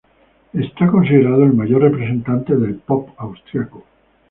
Es considerado el mayor representante del pop austriaco.